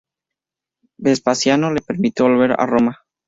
Vespasiano le permitió volver a Roma.